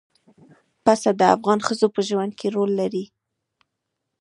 پسه د افغان ښځو په ژوند کې رول لري.